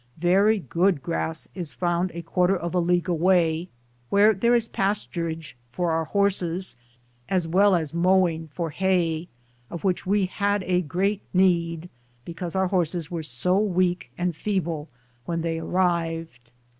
Very good grass is found a quarter of a league away, where there is pasturage for our horses as well as mowing for hay, of which we had great need, because our horses were so weak and feeble when they arrived.